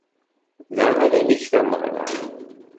Da ara neg tameɣra.